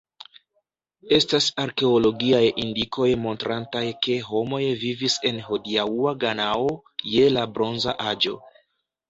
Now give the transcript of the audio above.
Estas arkeologiaj indikoj montrantaj ke homoj vivis en hodiaŭa Ganao je la Bronza Aĝo.